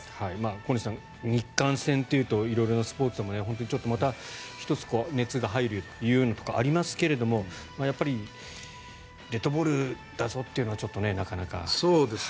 小西さん、日韓戦というと色々なスポーツでも本当にまた１つ熱が入るところがありますがやっぱりデッドボール出そうというのはちょっとなかなか。